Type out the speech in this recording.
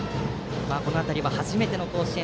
この辺りは初めての甲子園。